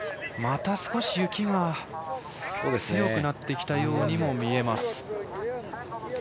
また少し雪が強くなってきたようにも見えます。